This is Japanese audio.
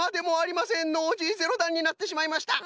ノージー０だんになってしまいました。